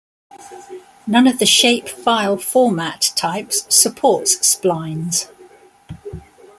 None of the shapefile format types supports splines.